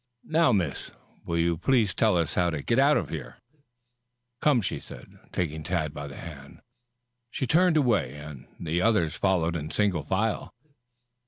"Now, Miss, will you please tell us how to get out of here?" "Come," she said, taking Tad by the hand. She turned away, the others following in single file.